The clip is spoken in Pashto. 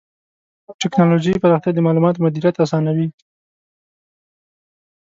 د ټکنالوجۍ پراختیا د معلوماتو مدیریت آسانوي.